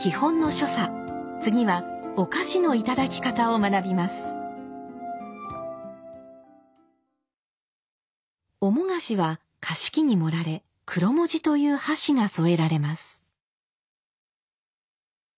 主菓子は菓子器に盛られ黒文字という箸が添えられます。